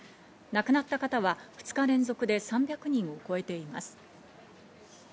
亡くなった方は２日連続で３００人を超えています。